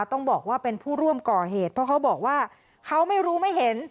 ต้องบอกว่าเป็นผู้ร่วมก่อเหตุเพราะเขาบอกว่าเขาไม่รู้ไม่เห็น